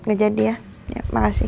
gak jadi ya ya makasih